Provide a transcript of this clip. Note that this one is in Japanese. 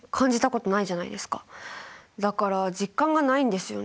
だから実感がないんですよね。